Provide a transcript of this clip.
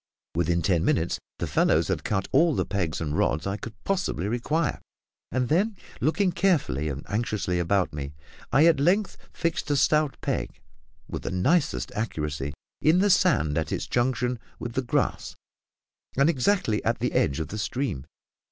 Within ten minutes, the fellows had cut all the pegs and rods I could possibly require; and then, looking carefully and anxiously about me, I at length fixed a stout peg, with the nicest accuracy, in the sand at its junction with the grass, and exactly at the edge of the stream.